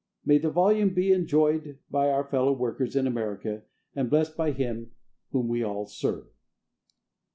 May the volume be enjoyed by our fellow workers in America, and blessed by Him whom we all serve.